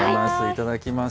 いただきます。